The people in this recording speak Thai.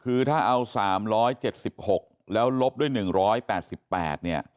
คือถ้าเอา๓๗๖แล้วลบด้วย๑๘๘เนี่ย